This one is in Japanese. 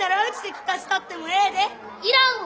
いらんわ！